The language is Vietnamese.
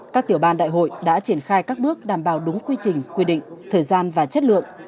các tiểu ban đại hội đã triển khai các bước đảm bảo đúng quy trình quy định thời gian và chất lượng